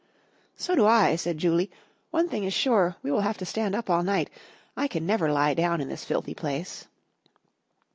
"So do I," said Julie. "One thing is sure, we will have to stand up all night, I can never lie down in this filthy place."